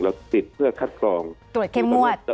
ติดเพื่อคัดกรองตรวจเข้มงวด